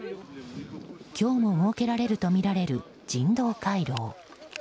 今日も設けられるとみられる人道回廊。